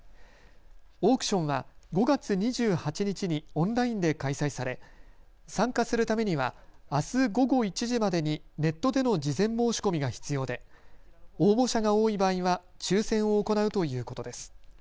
オークションは５月２８日にオンラインで開催され、参加するためにはあす午後１時までにネットでの事前申し込みが必要で応募者が多い場合は抽せんを行うということです。